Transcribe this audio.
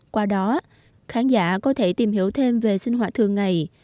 qua đó khán giả có thể tìm hiểu thêm về sinh hoạt thường ngày